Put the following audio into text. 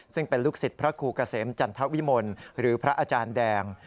ซึ่งเป็นลูกศิษย์พระครูเกษมจันทวิมลหรือพระอาจารย์แดง